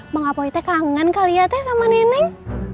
bang apoi teh kangen kali ya teh sama neneng